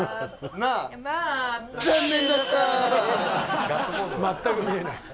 長嶋：全く見えない。